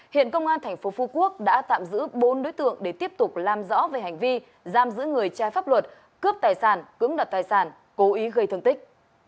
hiện công an tp phú quốc đã tạm giữ bốn đối tượng để tiếp tục làm rõ về hành vi giam giữ người trai pháp luật cướp tài sản cứng đoạt tài sản cố ý gây thương tích